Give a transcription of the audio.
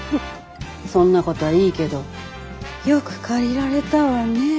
そんなことはいいけどよく借りられたわね。